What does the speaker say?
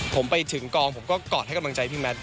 ผมไปถึงกองผมก็กอดให้กำลังใจพี่แมท